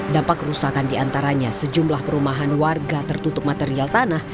dampak kerusakan diantaranya sejumlah perumahan warga tertutup material tanah